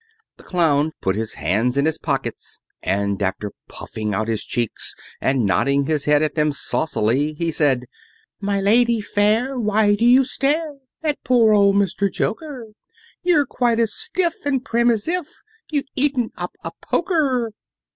The Clown put his hands in his pockets, and after puffing out his cheeks and nodding his head at them saucily, he said: "My lady fair, Why do you stare At poor old Mr. Joker? You're quite as stiff And prim as if You'd eaten up a poker!"